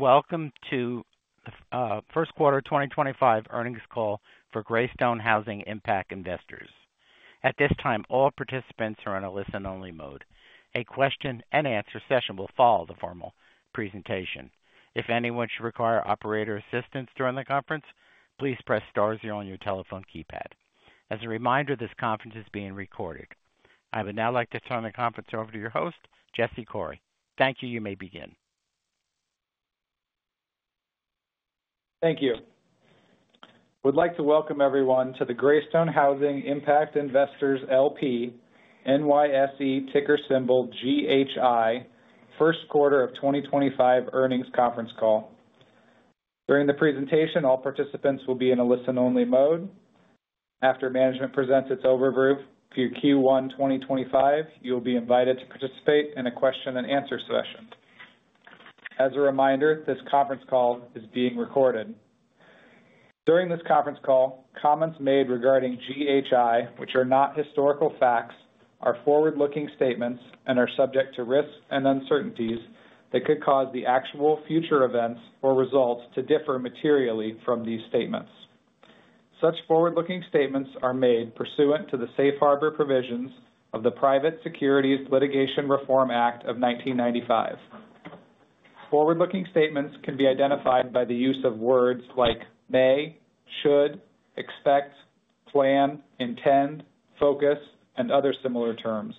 Welcome to the First Quarter 2025 Earnings Call for Greystone Housing Impact Investors. At this time, all participants are on a listen-only mode. A question-and-answer session will follow the formal presentation. If anyone should require operator assistance during the conference, please press star zero on your telephone keypad. As a reminder, this conference is being recorded. I would now like to turn the conference over to your host, Jesse Coury. Thank you. You may begin. Thank you. I would like to welcome everyone to the Greystone Housing Impact Investors LP NYSE, ticker symbol GHI, First Quarter of 2025 Earnings Conference Call. During the presentation, all participants will be in a listen-only mode. After management presents its overview for Q1 2025, you'll be invited to participate in a question-and-answer session. As a reminder, this conference call is being recorded. During this conference call, comments made regarding GHI, which are not historical facts, are forward-looking statements and are subject to risks and uncertainties that could cause the actual future events or results to differ materially from these statements. Such forward-looking statements are made pursuant to the safe harbor provisions of the Private Securities Litigation Reform Act of 1995. Forward-looking statements can be identified by the use of words like may, should, expect, plan, intend, focus, and other similar terms.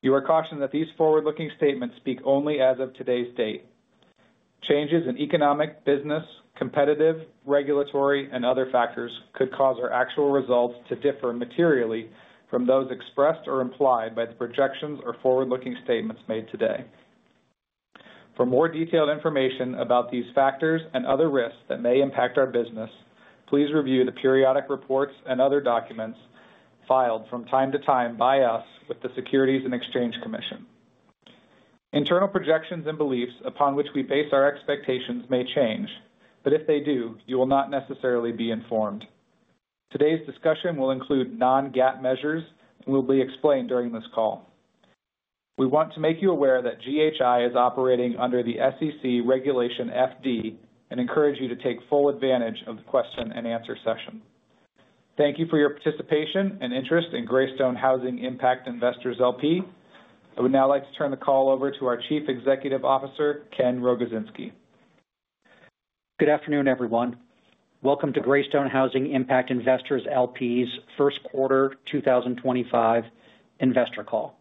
You are cautioned that these forward-looking statements speak only as of today's date. Changes in economic, business, competitive, regulatory, and other factors could cause our actual results to differ materially from those expressed or implied by the projections or forward-looking statements made today. For more detailed information about these factors and other risks that may impact our business, please review the periodic reports and other documents filed from time to time by us with the Securities and Exchange Commission. Internal projections and beliefs upon which we base our expectations may change, but if they do, you will not necessarily be informed. Today's discussion will include non-GAAP measures and will be explained during this call. We want to make you aware that GHI is operating under the SEC regulation FD and encourage you to take full advantage of the question-and-answer session. Thank you for your participation and interest in Greystone Housing Impact Investors LP. I would now like to turn the call over to our Chief Executive Officer, Ken Rogozinski. Good afternoon, everyone. Welcome to Greystone Housing Impact Investors LP's First Quarter 2025 Investor Call.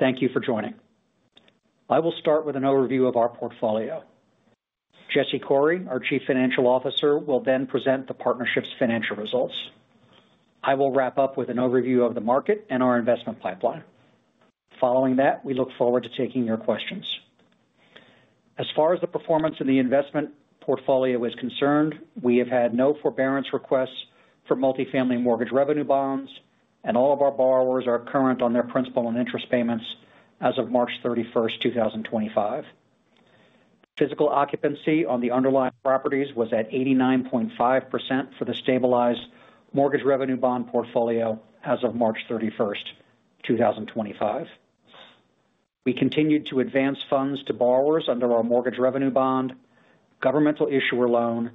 Thank you for joining. I will start with an overview of our portfolio. Jesse Coury, our Chief Financial Officer, will then present the partnership's financial results. I will wrap up with an overview of the market and our investment pipeline. Following that, we look forward to taking your questions. As far as the performance of the investment portfolio is concerned, we have had no forbearance requests for multifamily mortgage revenue bonds, and all of our borrowers are current on their principal and interest payments as of March 31st, 2025. Physical occupancy on the underlying properties was at 89.5% for the stabilized mortgage revenue bond portfolio as of March 31st, 2025. We continued to advance funds to borrowers under our mortgage revenue bond, governmental issuer loan,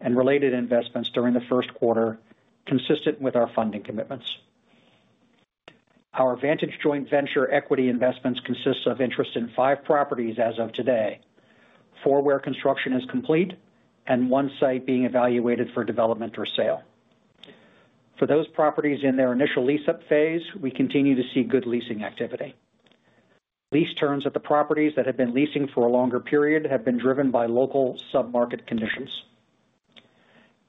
and related investments during the first quarter consistent with our funding commitments. Our Vantage joint venture equity investments consist of interest in five properties as of today, four where construction is complete and one site being evaluated for development or sale. For those properties in their initial lease-up phase, we continue to see good leasing activity. Lease terms at the properties that have been leasing for a longer period have been driven by local sub-market conditions.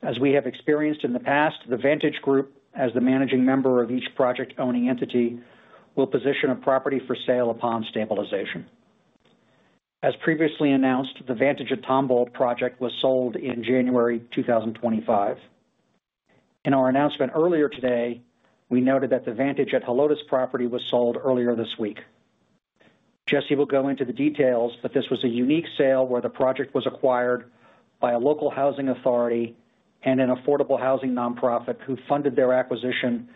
As we have experienced in the past, the Vantage Group, as the managing member of each project-owning entity, will position a property for sale upon stabilization. As previously announced, the Vantage at Tomball project was sold in January 2025. In our announcement earlier today, we noted that the Vantage at Helotes property was sold earlier this week. Jesse will go into the details, but this was a unique sale where the project was acquired by a local housing authority and an affordable housing nonprofit who funded their acquisition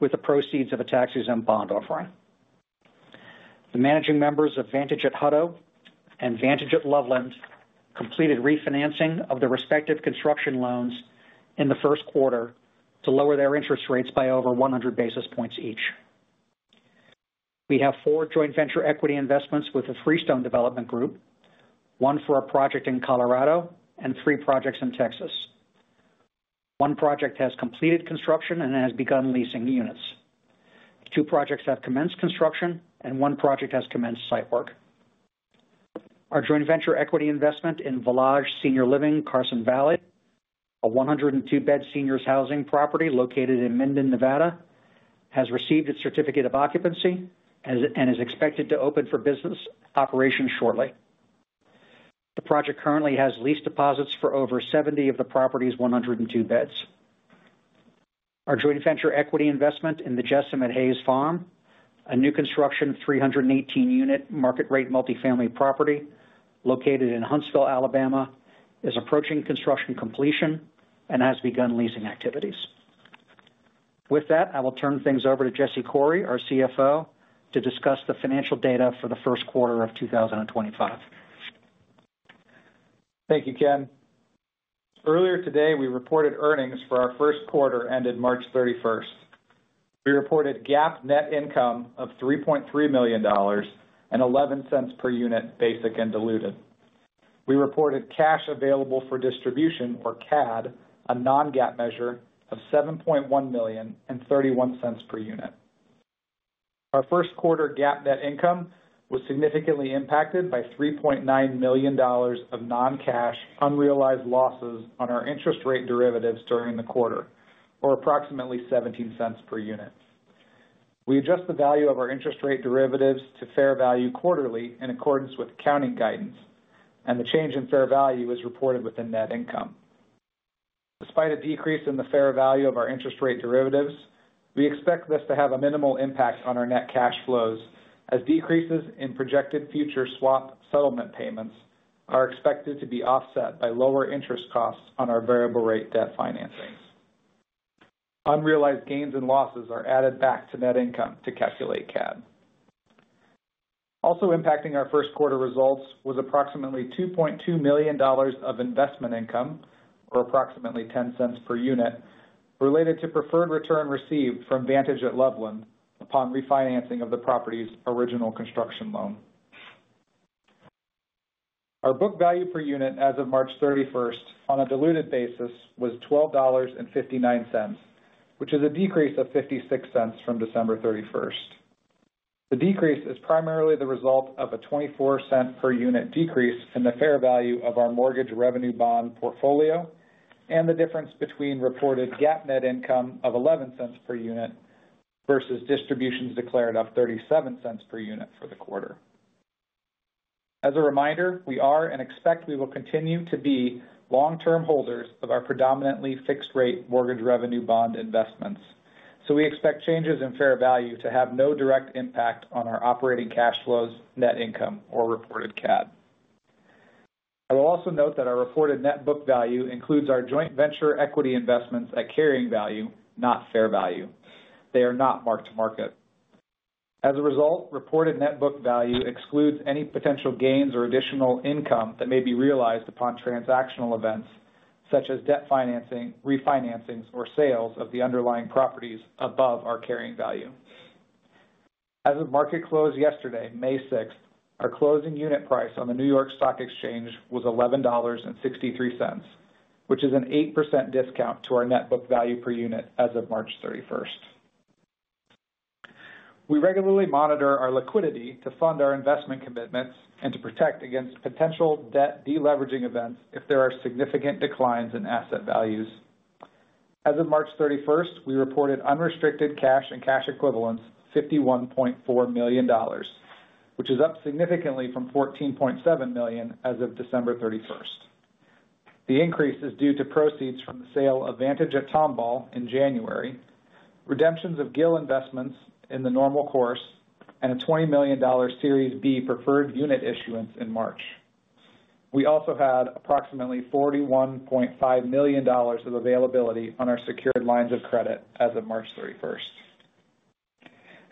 with the proceeds of a tax-exempt bond offering. The managing members of Vantage at Hutto and Vantage at Loveland completed refinancing of the respective construction loans in the first quarter to lower their interest rates by over 100 basis points each. We have four joint venture equity investments with the Freestone Development Group, one for a project in Colorado, and three projects in Texas. One project has completed construction and has begun leasing units. Two projects have commenced construction, and one project has commenced site work. Our joint venture equity investment in Village Senior Living Carson Valley, a 102-bed seniors' housing property located in Minden, Nevada, has received its certificate of occupancy and is expected to open for business operation shortly. The project currently has lease deposits for over 70 of the property's 102 beds. Our joint venture equity investment in The Jessam at Hays Farm, a new construction 318-unit market-rate multifamily property located in Huntsville, Alabama, is approaching construction completion and has begun leasing activities. With that, I will turn things over to Jesse Coury, our CFO, to discuss the financial data for the first quarter of 2025. Thank you, Ken. Earlier today, we reported earnings for our first quarter ended March 31st. We reported GAAP net income of $3.3 million and $0.11 per unit basic and diluted. We reported cash available for distribution, or CAD, a non-GAAP measure of $7.1 million and $0.31 per unit. Our first quarter GAAP net income was significantly impacted by $3.9 million of non-cash unrealized losses on our interest rate derivatives during the quarter, or approximately $0.17 per unit. We adjust the value of our interest rate derivatives to fair value quarterly in accordance with accounting guidance, and the change in fair value is reported within net income. Despite a decrease in the fair value of our interest rate derivatives, we expect this to have a minimal impact on our net cash flows, as decreases in projected future swap settlement payments are expected to be offset by lower interest costs on our variable-rate debt financing. Unrealized gains and losses are added back to net income to calculate CAD. Also impacting our first quarter results was approximately $2,200,000 of investment income, or approximately $0.10 per unit, related to preferred return received from Vantage at Loveland upon refinancing of the property's original construction loan. Our book value per unit as of March 31st on a diluted basis was $12.59, which is a decrease of $0.56 from December 31st. The decrease is primarily the result of a $0.24 per unit decrease in the fair value of our mortgage revenue bond portfolio and the difference between reported GAAP net income of $0.11 per unit versus distributions declared of $0.37 per unit for the quarter. As a reminder, we are and expect we will continue to be long-term holders of our predominantly fixed-rate mortgage revenue bond investments, so we expect changes in fair value to have no direct impact on our operating cash flows, net income, or reported CAD. I will also note that our reported net book value includes our joint venture equity investments at carrying value, not fair value. They are not marked to market. As a result, reported net book value excludes any potential gains or additional income that may be realized upon transactional events such as debt financing, refinancings, or sales of the underlying properties above our carrying value. As of market close yesterday, May 6th, our closing unit price on the New York Stock Exchange was $11.63, which is an 8% discount to our net book value per unit as of March 31st. We regularly monitor our liquidity to fund our investment commitments and to protect against potential debt deleveraging events if there are significant declines in asset values. As of March 31st, we reported unrestricted cash and cash equivalents of $51.4 million, which is up significantly from $14.7 million as of December 31st. The increase is due to proceeds from the sale of Vantage at Tomball in January, redemptions of GIL Investments in the normal course, and a $20 million Series B Preferred Unit issuance in March. We also had approximately $41.5 million of availability on our secured lines of credit as of March 31st.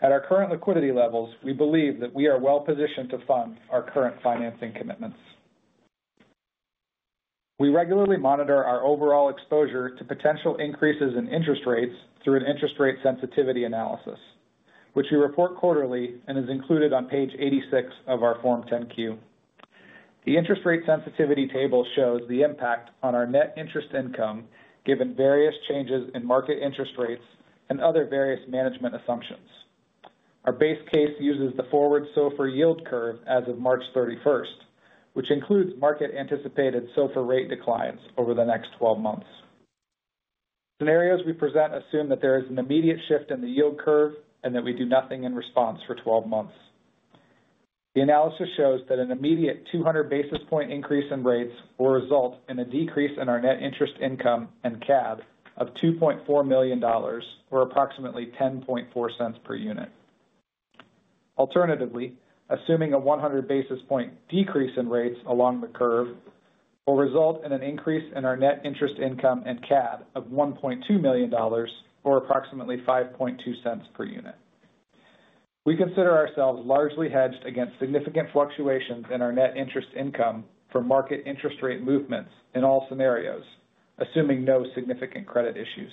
At our current liquidity levels, we believe that we are well-positioned to fund our current financing commitments. We regularly monitor our overall exposure to potential increases in interest rates through an interest rate sensitivity analysis, which we report quarterly and is included on page 86 of our Form 10-Q. The interest rate sensitivity table shows the impact on our net interest income given various changes in market interest rates and other various management assumptions. Our base case uses the forward SOFR yield curve as of March 31st, which includes market-anticipated SOFR rate declines over the next 12 months. Scenarios we present assume that there is an immediate shift in the yield curve and that we do nothing in response for 12 months. The analysis shows that an immediate 200 basis point increase in rates will result in a decrease in our net interest income and CAD of $2.4 million, or approximately $0.104 per unit. Alternatively, assuming a 100 basis point decrease in rates along the curve, it will result in an increase in our net interest income and CAD of $1.2 million, or approximately $0.052 per unit. We consider ourselves largely hedged against significant fluctuations in our net interest income from market interest rate movements in all scenarios, assuming no significant credit issues.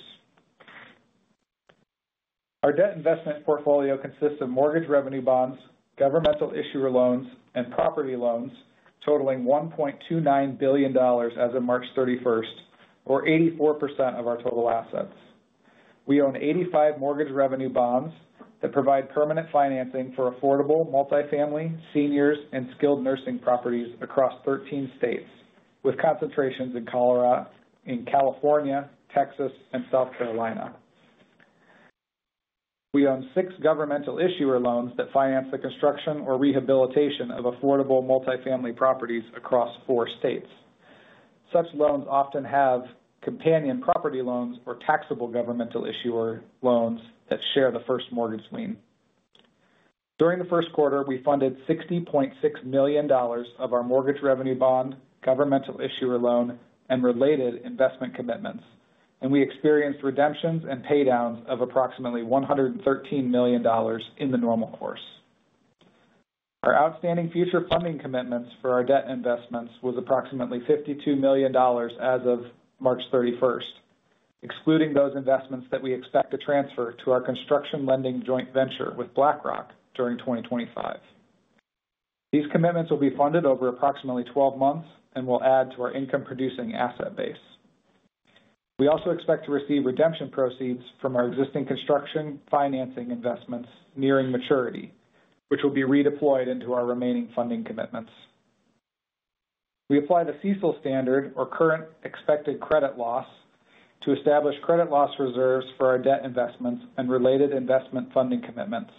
Our debt investment portfolio consists of mortgage revenue bonds, governmental issuer loans, and property loans totaling $1.29 billion as of March 31, or 84% of our total assets. We own 85 mortgage revenue bonds that provide permanent financing for affordable multifamily, seniors, and skilled nursing properties across 13 states, with concentrations in California, Texas, and South Carolina. We own six governmental issuer loans that finance the construction or rehabilitation of affordable multifamily properties across four states. Such loans often have companion property loans or taxable governmental issuer loans that share the first mortgage lien. During the first quarter, we funded $60.6 million of our mortgage revenue bond, governmental issuer loan, and related investment commitments, and we experienced redemptions and paydowns of approximately $113 million in the normal course. Our outstanding future funding commitments for our debt investments were approximately $52 million as of March 31st, excluding those investments that we expect to transfer to our construction lending joint venture with BlackRock during 2025. These commitments will be funded over approximately 12 months and will add to our income-producing asset base. We also expect to receive redemption proceeds from our existing construction financing investments nearing maturity, which will be redeployed into our remaining funding commitments. We applied a CECL standard, or current expected credit loss, to establish credit loss reserves for our debt investments and related investment funding commitments.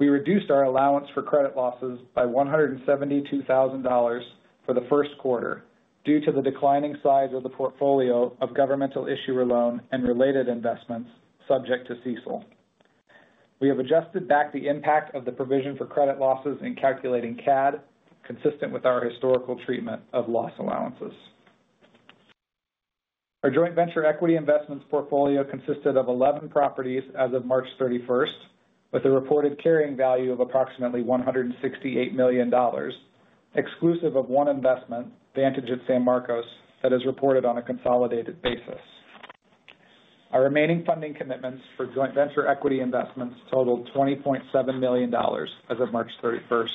We reduced our allowance for credit losses by $172,000 for the first quarter due to the declining size of the portfolio of governmental issuer loan and related investments subject to CECL. We have adjusted back the impact of the provision for credit losses in calculating CAD, consistent with our historical treatment of loss allowances. Our joint venture equity investments portfolio consisted of 11 properties as of March 31st, with a reported carrying value of approximately $168 million, exclusive of one investment, Vantage at San Marcos, that is reported on a consolidated basis. Our remaining funding commitments for joint venture equity investments totaled $20.7 million as of March 31st.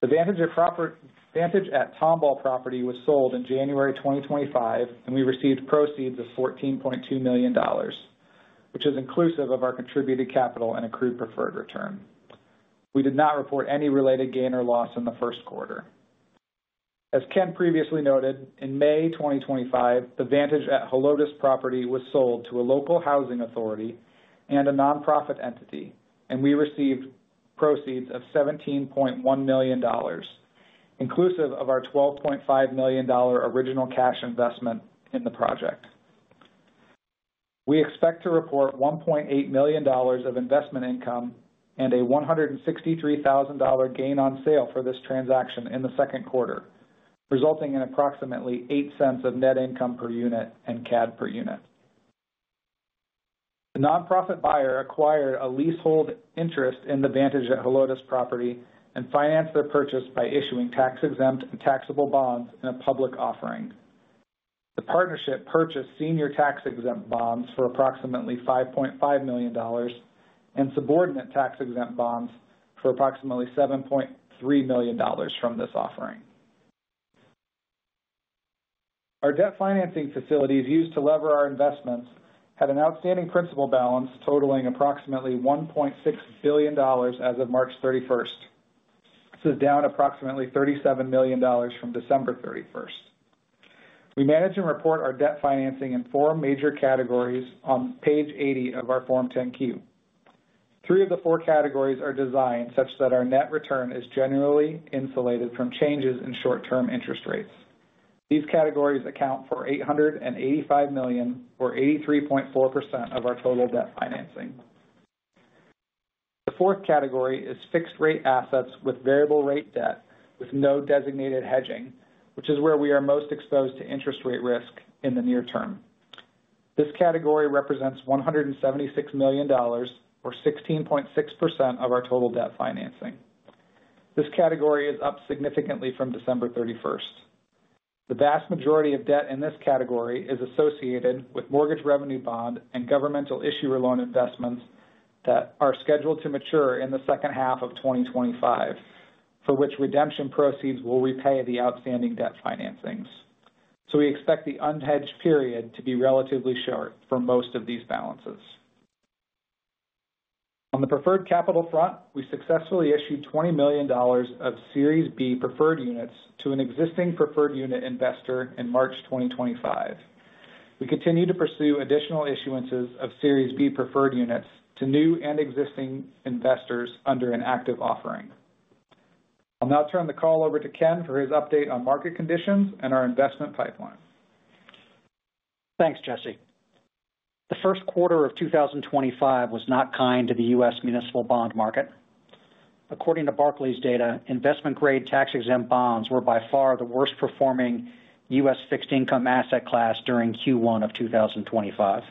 The Vantage at Tomball property was sold in January 2025, and we received proceeds of $14.2 million, which is inclusive of our contributed capital and accrued preferred return. We did not report any related gain or loss in the first quarter. As Ken previously noted, in May 2025, the Vantage at Helotes property was sold to a local housing authority and a nonprofit entity, and we received proceeds of $17.1 million, inclusive of our $12.5 million original cash investment in the project. We expect to report $1.8 million of investment income and a $163,000 gain on sale for this transaction in the second quarter, resulting in approximately $0.08 of net income per unit and CAD per unit. The nonprofit buyer acquired a leasehold interest in the Vantage at Helotes property and financed their purchase by issuing tax-exempt and taxable bonds in a public offering. The partnership purchased senior tax-exempt bonds for approximately $5.5 million and subordinate tax-exempt bonds for approximately $7.3 million from this offering. Our debt financing facilities used to lever our investments had an outstanding principal balance totaling approximately $1.6 billion as of March 31. This is down approximately $37 million from December 31. We manage and report our debt financing in four major categories on page 80 of our Form 10-Q. Three of the four categories are designed such that our net return is generally insulated from changes in short-term interest rates. These categories account for $885 million, or 83.4% of our total debt financing. The fourth category is fixed-rate assets with variable-rate debt with no designated hedging, which is where we are most exposed to interest rate risk in the near term. This category represents $176 million, or 16.6% of our total debt financing. This category is up significantly from December 31st. The vast majority of debt in this category is associated with mortgage revenue bond and governmental issuer loan investments that are scheduled to mature in the second half of 2025, for which redemption proceeds will repay the outstanding debt financings. We expect the unhedged period to be relatively short for most of these balances. On the preferred capital front, we successfully issued $20 million of Series B Preferred Units to an existing preferred unit investor in March 2025. We continue to pursue additional issuances of Series B Preferred Units to new and existing investors under an active offering. I'll now turn the call over to Ken for his update on market conditions and our investment pipeline. Thanks, Jesse. The first quarter of 2025 was not kind to the U.S. municipal bond market. According to Barclays data, investment-grade tax-exempt bonds were by far the worst-performing U.S. fixed-income asset class during Q1 of 2025.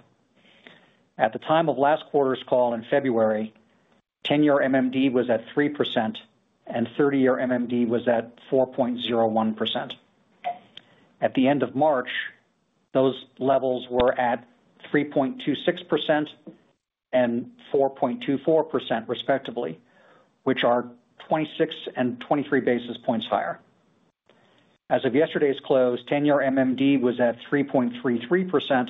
At the time of last quarter's call in February, 10-year MMD was at 3% and 30-year MMD was at 4.01%. At the end of March, those levels were at 3.26% and 4.24%, respectively, which are 26 and 23 basis points higher. As of yesterday's close, 10-year MMD was at 3.33%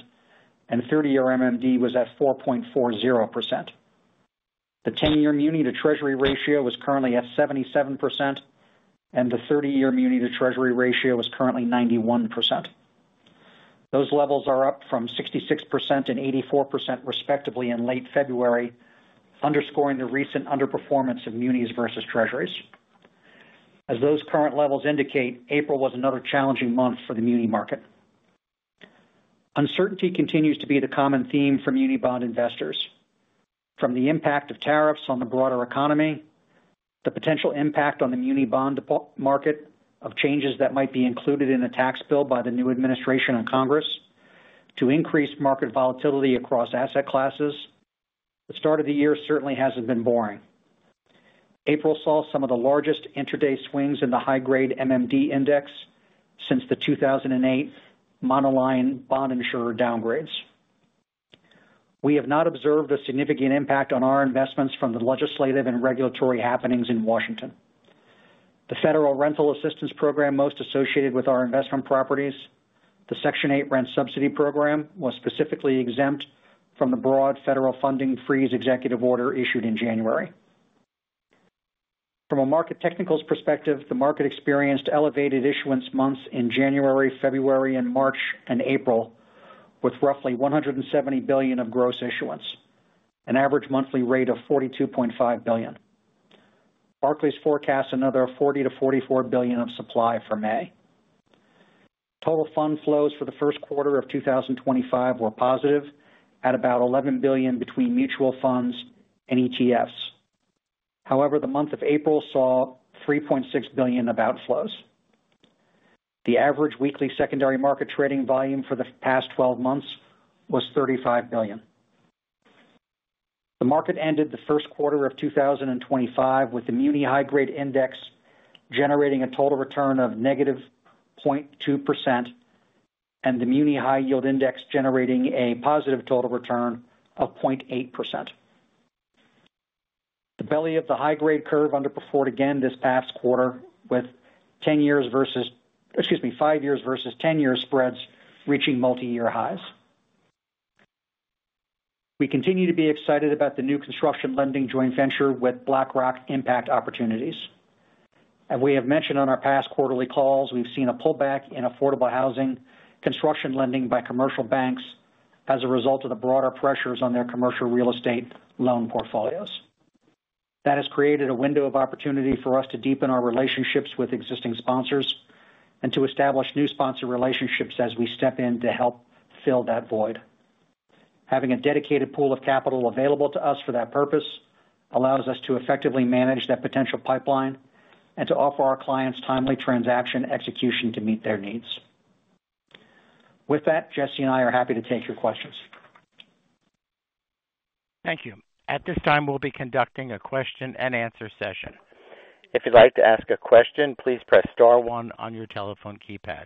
and 30-year MMD was at 4.40%. The 10-year muni-to-treasury ratio was currently at 77%, and the 30-year muni-to-treasury ratio was currently 91%. Those levels are up from 66% and 84%, respectively, in late February, underscoring the recent underperformance of munis versus treasuries. As those current levels indicate, April was another challenging month for the muni market. Uncertainty continues to be the common theme for muni bond investors, from the impact of tariffs on the broader economy, the potential impact on the muni bond market of changes that might be included in the tax bill by the new administration and Congress, to increased market volatility across asset classes. The start of the year certainly has not been boring. April saw some of the largest intraday swings in the high-grade MMD index since the 2008 monoline bond insurer downgrades. We have not observed a significant impact on our investments from the legislative and regulatory happenings in Washington. The federal rental assistance program most associated with our investment properties, the Section 8 Rent Subsidy Program, was specifically exempt from the broad federal funding freeze executive order issued in January. From a market technicals perspective, the market experienced elevated issuance months in January, February, March, and April, with roughly $170 billion of gross issuance, an average monthly rate of $42.5 billion. Barclays forecasts another $40 billion-$44 billion of supply for May. Total fund flows for the first quarter of 2025 were positive, at about $11 billion between mutual funds and ETFs. However, the month of April saw $3.6 billion of outflows. The average weekly secondary market trading volume for the past 12 months was $35 billion. The market ended the first quarter of 2025 with the muni high-grade index generating a total return of -0.2% and the muni high-yield index generating a positive total return of 0.8%. The belly of the high-grade curve underperformed again this past quarter, with five years versus 10 years spreads reaching multi-year highs. We continue to be excited about the new construction lending joint venture with BlackRock Impact Opportunities. As we have mentioned on our past quarterly calls, we've seen a pullback in affordable housing construction lending by commercial banks as a result of the broader pressures on their commercial real estate loan portfolios. That has created a window of opportunity for us to deepen our relationships with existing sponsors and to establish new sponsor relationships as we step in to help fill that void. Having a dedicated pool of capital available to us for that purpose allows us to effectively manage that potential pipeline and to offer our clients timely transaction execution to meet their needs. With that, Jesse and I are happy to take your questions. Thank you. At this time, we'll be conducting a question-and-answer session. If you'd like to ask a question, please press star one on your telephone keypad.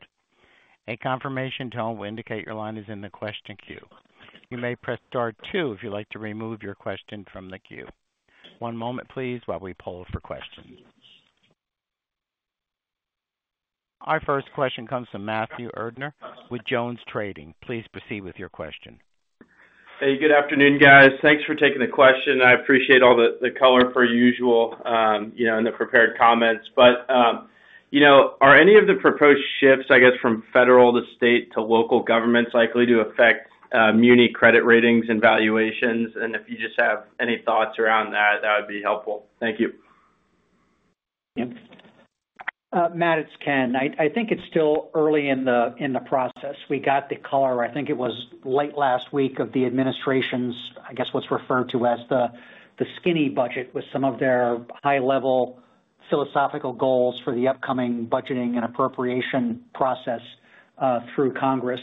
A confirmation tone will indicate your line is in the question queue. You may press star two if you'd like to remove your question from the queue. One moment, please, while we poll for questions. Our first question comes from Matthew Erdner with Jones Trading. Please proceed with your question. Hey, good afternoon, guys. Thanks for taking the question. I appreciate all the color as usual in the prepared comments. Are any of the proposed shifts, I guess, from federal to state to local governments likely to affect muni credit ratings and valuations? If you just have any thoughts around that, that would be helpful. Thank you. Matt, it's Ken. I think it's still early in the process. We got the color, I think it was late last week, of the administration's, I guess, what's referred to as the skinny budget with some of their high-level philosophical goals for the upcoming budgeting and appropriation process through Congress.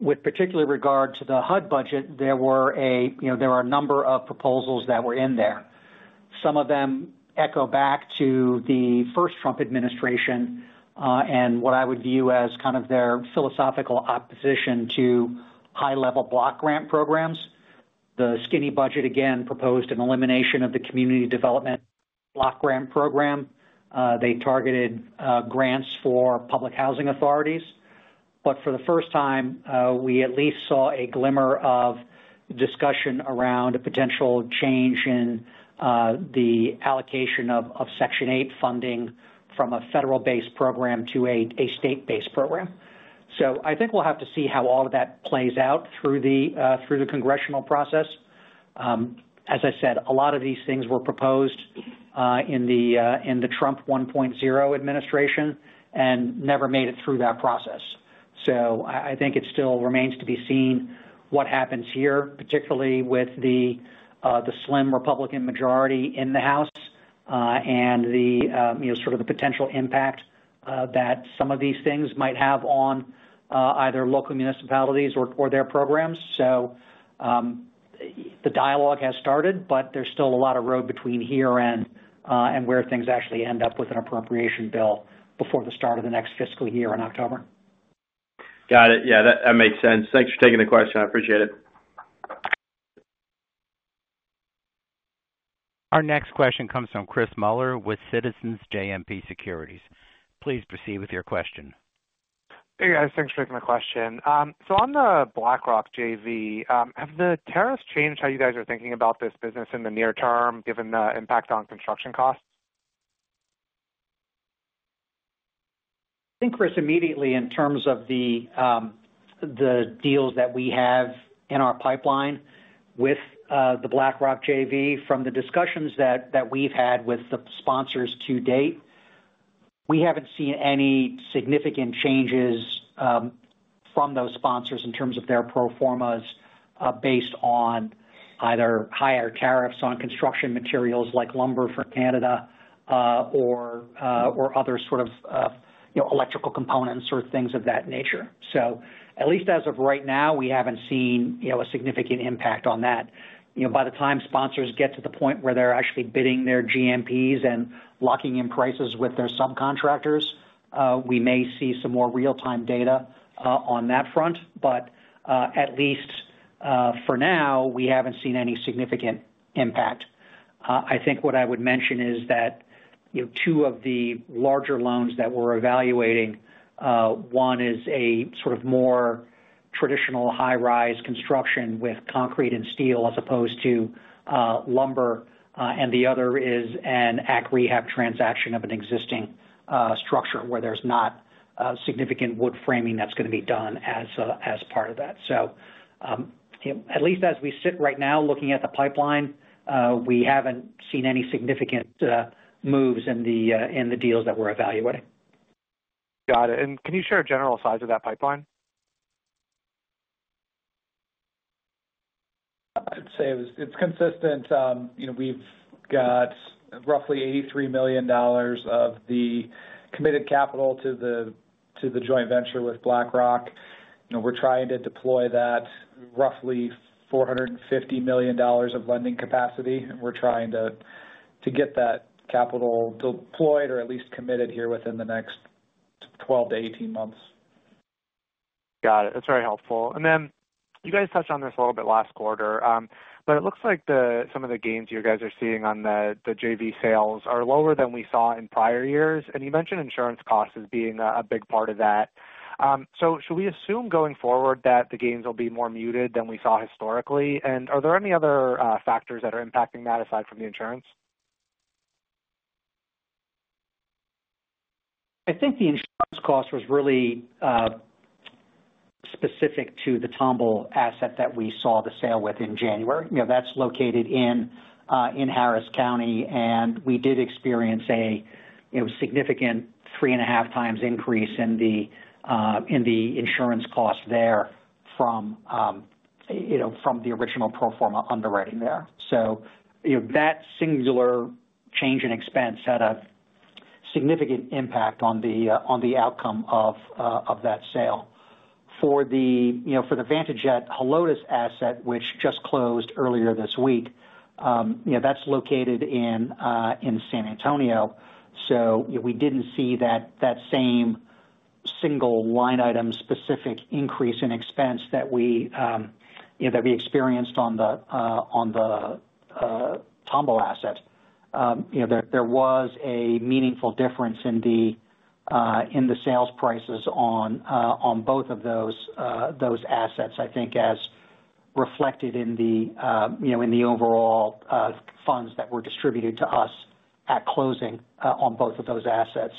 With particular regard to the HUD budget, there were a number of proposals that were in there. Some of them echo back to the first Trump administration and what I would view as kind of their philosophical opposition to high-level block grant programs. The skinny budget, again, proposed an elimination of the community development block grant program. They targeted grants for public housing authorities. For the first time, we at least saw a glimmer of discussion around a potential change in the allocation of Section 8 funding from a federal-based program to a state-based program. I think we'll have to see how all of that plays out through the congressional process. As I said, a lot of these things were proposed in the Trump 1.0 administration and never made it through that process. I think it still remains to be seen what happens here, particularly with the slim Republican majority in the House and the sort of the potential impact that some of these things might have on either local municipalities or their programs. The dialogue has started, but there's still a lot of road between here and where things actually end up with an appropriation bill before the start of the next fiscal year in October. Got it. Yeah, that makes sense. Thanks for taking the question. I appreciate it. Our next question comes from Chris Mueller with Citizens JMP Securities. Please proceed with your question. Hey, guys. Thanks for taking the question. On the BlackRock JV, have the tariffs changed how you guys are thinking about this business in the near term, given the impact on construction costs? I think, Chris, immediately in terms of the deals that we have in our pipeline with the BlackRock JV, from the discussions that we've had with the sponsors to date, we haven't seen any significant changes from those sponsors in terms of their pro formas based on either higher tariffs on construction materials like lumber from Canada or other sort of electrical components or things of that nature. At least as of right now, we haven't seen a significant impact on that. By the time sponsors get to the point where they're actually bidding their GMPs and locking in prices with their subcontractors, we may see some more real-time data on that front. At least for now, we haven't seen any significant impact. I think what I would mention is that two of the larger loans that we're evaluating, one is a sort of more traditional high-rise construction with concrete and steel as opposed to lumber, and the other is an ACC rehab transaction of an existing structure where there's not significant wood framing that's going to be done as part of that. At least as we sit right now looking at the pipeline, we haven't seen any significant moves in the deals that we're evaluating. Got it. Can you share a general size of that pipeline? I'd say it's consistent. We've got roughly $83 million of the committed capital to the joint venture with BlackRock. We're trying to deploy that roughly $450 million of lending capacity. We're trying to get that capital deployed or at least committed here within the next 12 to 18 months. Got it. That's very helpful. You guys touched on this a little bit last quarter, but it looks like some of the gains you guys are seeing on the JV sales are lower than we saw in prior years. You mentioned insurance costs as being a big part of that. Should we assume going forward that the gains will be more muted than we saw historically? Are there any other factors that are impacting that aside from the insurance? I think the insurance cost was really specific to the Tomball asset that we saw the sale with in January. That's located in Harris County, and we did experience a significant three-and-a-half times increase in the insurance cost there from the original pro forma underwriting there. That singular change in expense had a significant impact on the outcome of that sale. For the Vantage at Helotes asset, which just closed earlier this week, that's located in San Antonio. We didn't see that same single line item-specific increase in expense that we experienced on the Tomball asset. There was a meaningful difference in the sales prices on both of those assets, I think, as reflected in the overall funds that were distributed to us at closing on both of those assets.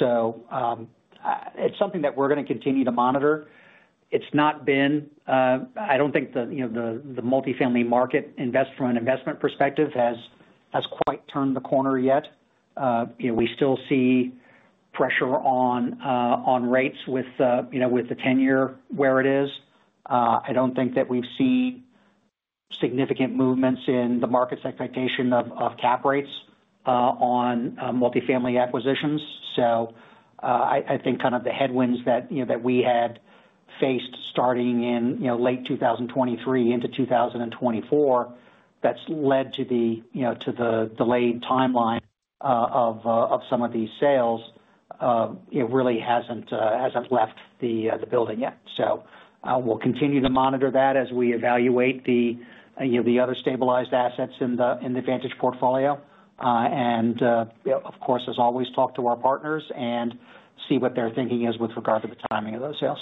It's something that we're going to continue to monitor. It's not been—I don't think the multifamily market, from an investment perspective, has quite turned the corner yet. We still see pressure on rates with the 10-year where it is. I don't think that we've seen significant movements in the market's expectation of cap rates on multifamily acquisitions. I think kind of the headwinds that we had faced starting in late 2023 into 2024, that's led to the delayed timeline of some of these sales, really hasn't left the building yet. We'll continue to monitor that as we evaluate the other stabilized assets in the Vantage's portfolio. Of course, as always, talk to our partners and see what their thinking is with regard to the timing of those sales.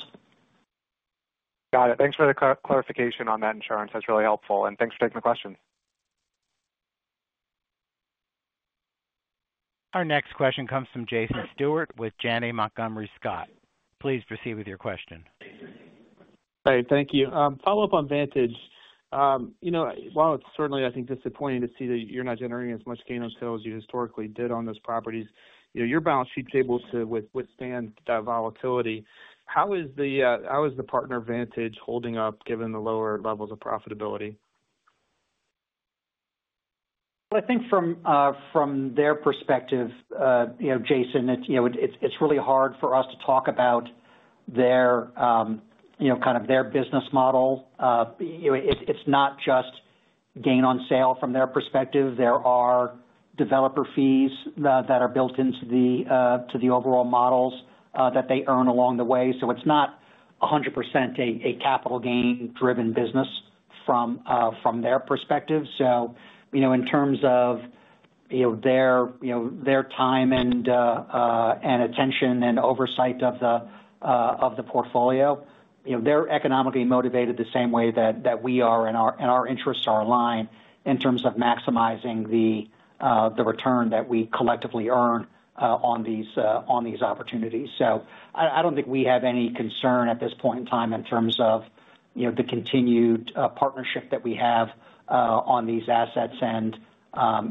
Got it. Thanks for the clarification on that insurance. That is really helpful. Thanks for taking the question. Our next question comes from Jason Stewart with Janney Montgomery Scott. Please proceed with your question. All right. Thank you. Follow up on Vantage. While it's certainly, I think, disappointing to see that you're not generating as much gain on sales as you historically did on those properties, your balance sheet's able to withstand that volatility. How is the partner Vantage holding up given the lower levels of profitability? I think from their perspective, Jason, it's really hard for us to talk about kind of their business model. It's not just gain on sale from their perspective. There are developer fees that are built into the overall models that they earn along the way. It's not 100% a capital-gain-driven business from their perspective. In terms of their time and attention and oversight of the portfolio, they're economically motivated the same way that we are, and our interests are aligned in terms of maximizing the return that we collectively earn on these opportunities. I don't think we have any concern at this point in time in terms of the continued partnership that we have on these assets and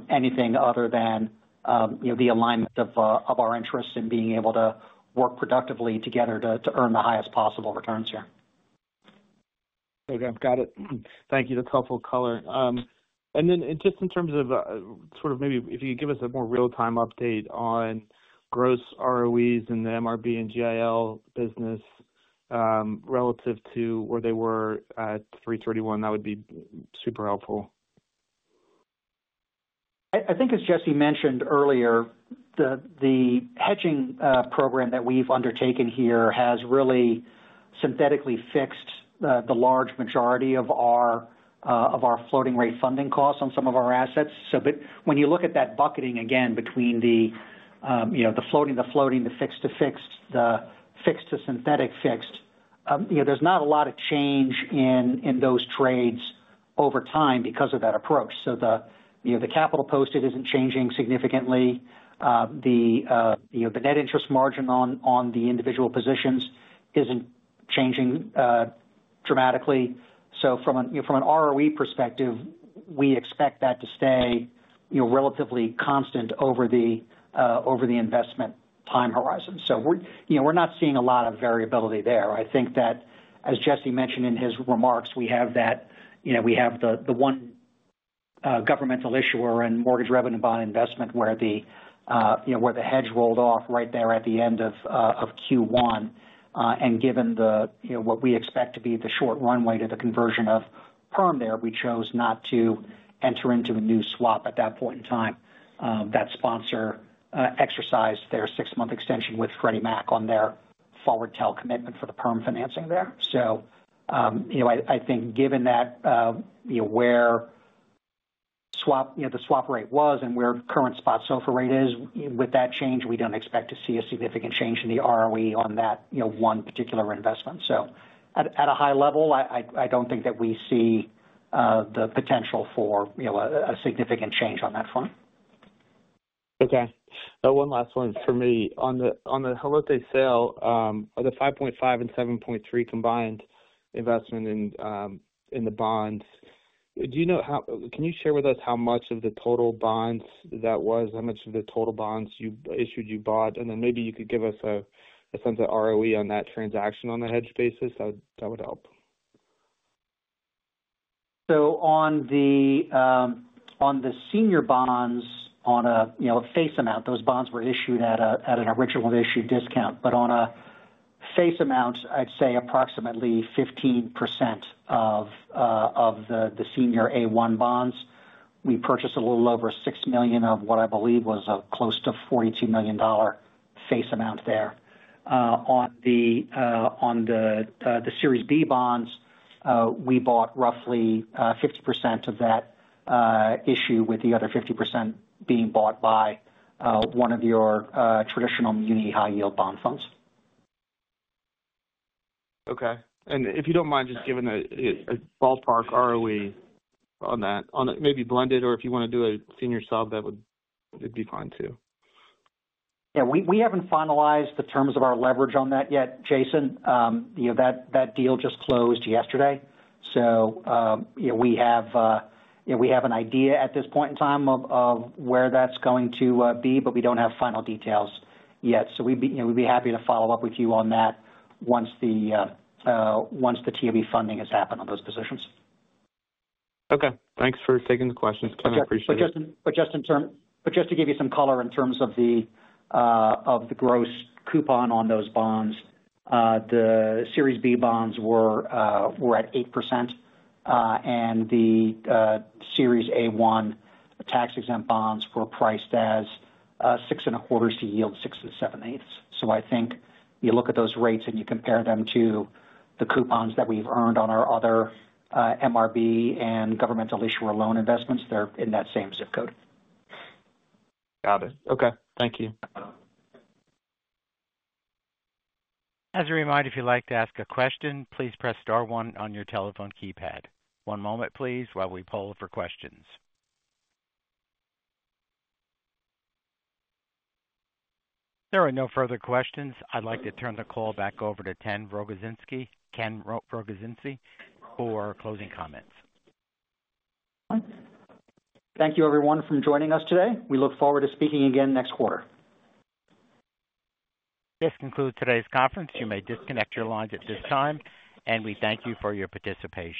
anything other than the alignment of our interests in being able to work productively together to earn the highest possible returns here. Okay. Got it. Thank you. That's helpful color. In terms of sort of maybe if you could give us a more real-time update on gross ROEs in the MRB and GIL business relative to where they were at 3/31, that would be super helpful. I think, as Jesse mentioned earlier, the hedging program that we've undertaken here has really synthetically fixed the large majority of our floating-rate funding costs on some of our assets. When you look at that bucketing again between the floating, the floating, the fixed to fixed, the fixed to synthetic fixed, there's not a lot of change in those trades over time because of that approach. The capital posted isn't changing significantly. The net interest margin on the individual positions isn't changing dramatically. From an ROE perspective, we expect that to stay relatively constant over the investment time horizon. We're not seeing a lot of variability there. I think that, as Jesse mentioned in his remarks, we have the one governmental issuer and mortgage revenue bond investment where the hedge rolled off right there at the end of Q1. Given what we expect to be the short runway to the conversion of perm there, we chose not to enter into a new swap at that point in time. That sponsor exercised their six-month extension with Freddie Mac on their forward tell commitment for the perm financing there. I think given where the swap rate was and where current spot SOFR rate is, with that change, we do not expect to see a significant change in the ROE on that one particular investment. At a high level, I do not think that we see the potential for a significant change on that front. Okay. One last one for me. On the Helotes sale, the $5.5 million and $7.3 million combined investment in the bonds, do you know how—can you share with us how much of the total bonds that was? How much of the total bonds you issued, you bought? And then maybe you could give us a sense of ROE on that transaction on a hedge basis. That would help. On the senior bonds, on a face amount, those bonds were issued at an original issue discount. On a face amount, I'd say approximately 15% of the senior A1 bonds. We purchased a little over $6 million of what I believe was a close to $42 million face amount there. On the Series B bonds, we bought roughly 50% of that issue, with the other 50% being bought by one of your traditional muni high-yield bond funds. Okay. If you do not mind just giving a ballpark ROE on that, maybe blended, or if you want to do a senior sub, that would be fine too. Yeah. We have not finalized the terms of our leverage on that yet, Jason. That deal just closed yesterday. We have an idea at this point in time of where that is going to be, but we do not have final details yet. We would be happy to follow up with you on that once the TOB funding has happened on those positions. Okay. Thanks for taking the questions. Kind of appreciate it. Just to give you some color in terms of the gross coupon on those bonds, the Series B bonds were at 8%, and the Series A1 tax-exempt bonds were priced at 6.25% to yield 6.875%. I think you look at those rates and you compare them to the coupons that we've earned on our other MRB and governmental issuer loan investments, they're in that same zip code. Got it. Okay. Thank you. As a reminder, if you'd like to ask a question, please press star one on your telephone keypad. One moment, please, while we poll for questions. There are no further questions. I'd like to turn the call back over to Ken Rogozinski for closing comments. Thank you, everyone, for joining us today. We look forward to speaking again next quarter. This concludes today's conference. You may disconnect your lines at this time, and we thank you for your participation.